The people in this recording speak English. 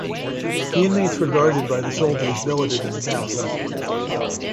The inmates were guarded by the soldiers billeted in the castle.